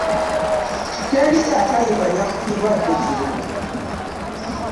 Teri atalimanya ku kirwadde kino.